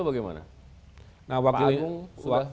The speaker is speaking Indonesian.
bagaimana pak agung sudah